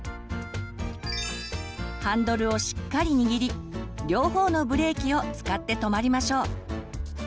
ハンドルをしっかり握り両方のブレーキを使って止まりましょう。